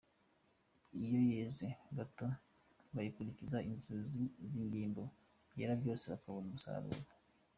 Iyo yeze gato, bayikurikiza inzuzi n’ingimbu ; byera byose, bakabona kumusaba.